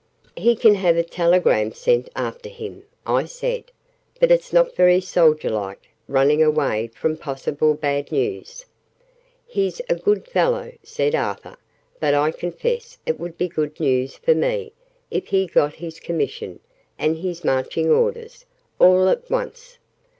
"He can have a telegram sent after him," I said: "but it's not very soldier like, running away from possible bad news!" "He's a very good fellow," said Arthur: "but I confess it would be good news for me, if he got his Commission, and his Marching Orders, all at once!